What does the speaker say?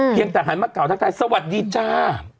เพียงแต่หันมาเก่าทางไทยสวัสดีจ้า